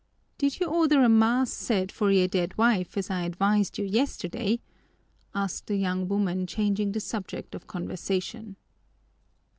"Did you order a mass said for your dead wife, as I advised you yesterday?" asked the young woman, changing the subject of conversation.